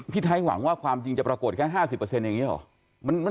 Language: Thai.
ไทยหวังว่าความจริงจะปรากฏแค่๕๐อย่างนี้หรอ